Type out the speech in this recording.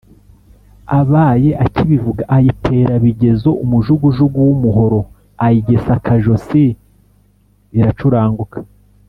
abaye akibivuga ayitera bigezo umujugujugu w’umuhoro ayigesa akajosi, iracuranguka.